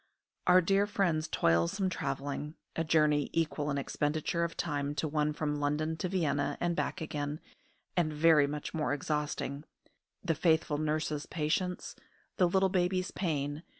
Our dear friend's toilsome travelling a journey equal in expenditure of time to one from London to Vienna and back again, and very much more exhausting, the faithful nurse's patience, the little baby's pain!